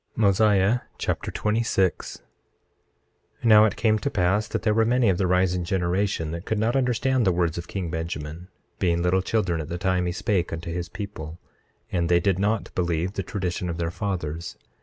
Mosiah Chapter 26 26:1 Now it came to pass that there were many of the rising generation that could not understand the words of king Benjamin, being little children at the time he spake unto his people; and they did not believe the tradition of their fathers.